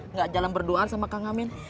nggak jalan berdoa sama kang amin